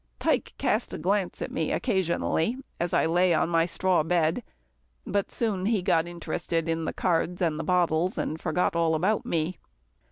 Tike cast a glance at me occasionally, as I lay on my straw bed, but soon he got interested in the cards and the bottles and forgot all about me.